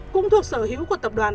cũng thuộc sở hữu của tập đoàn